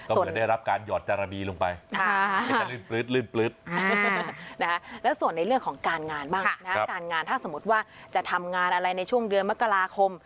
ต้องระมัดระหว่างดเนื้องการใช้เงินตั้งแต่เมื่อวาน